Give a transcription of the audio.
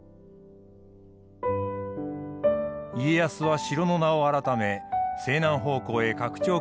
家康は城の名を改め西南方向へ拡張工事を行いました。